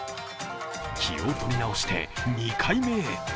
気を取り直して、２回目へ。